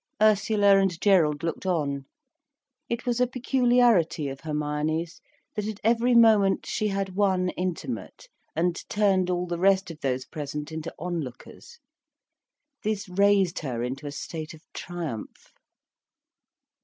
Ursula and Gerald looked on. It was a peculiarity of Hermione's, that at every moment, she had one intimate, and turned all the rest of those present into onlookers. This raised her into a state of triumph.